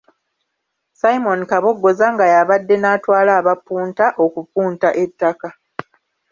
Simon Kaboggoza nga y’abadde n’atwala abapunta okupunta ettaka.